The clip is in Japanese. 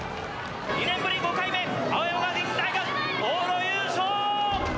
２年ぶり５回目、青山学院大学往路優勝！